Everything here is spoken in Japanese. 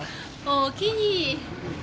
おおきに。